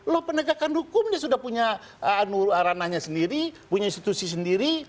loh penegakan hukumnya sudah punya ranahnya sendiri punya institusi sendiri